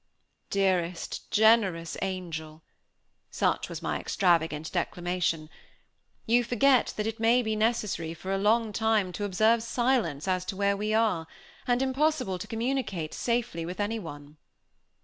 "Dearest, generous angel!" Such was my extravagant declamation. "You forget that it may be necessary, for a long time, to observe silence as to where we are, and impossible to communicate safely with anyone."